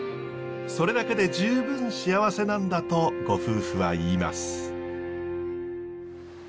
それだけで十分幸せなんだとご夫婦は言います。